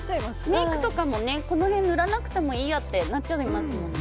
メイクとかもこの辺を塗らなくてもいいやってなっちゃいますもん。